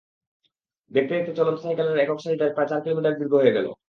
দেখতে দেখতে চলন্ত সাইকেলের একক সারিটা প্রায় চার কিলোমিটার দীর্ঘ হয়ে গেল।